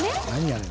あれ。